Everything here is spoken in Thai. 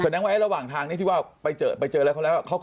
แสดงว่าไอ้ระหว่างทางที่ว่าไปเจออะไรเขาแล้ว